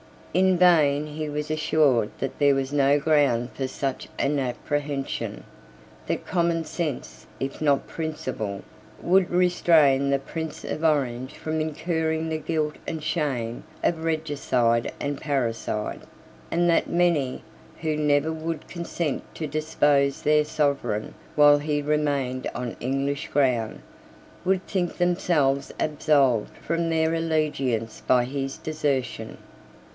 In vain he was assured that there was no ground for such an apprehension, that common sense, if not principle, would restrain the Prince of Orange from incurring the guilt and shame of regicide and parricide, and that many, who never would consent to depose their Sovereign while he remained on English ground, would think themselves absolved from their allegiance by his desertion.